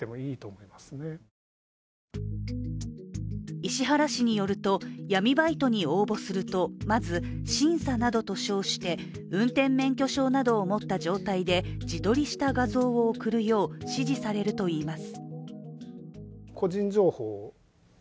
石原氏によると、闇バイトに応募するとまず審査などと称して運転免許証などを持った状態で自撮りした画像を送るよう指示されるといいます。